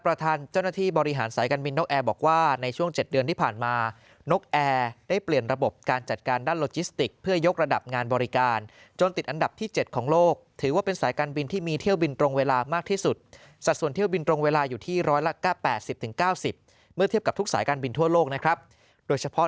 ประทานเจ้าหน้าที่บริหารสายการบินนกแอบอกว่า